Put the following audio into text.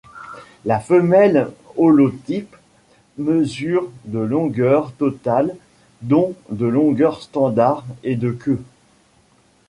La femelle holotype mesure de longueur totale dont de longueur standard et de queue.